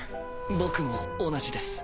僕も同じです。